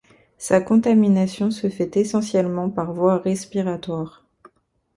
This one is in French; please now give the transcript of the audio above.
Sa contamination se fait essentiellement par voie respiratoire.